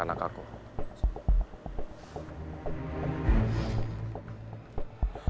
aku juga akan melakukan ini